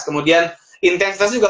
kemudian intensitasnya juga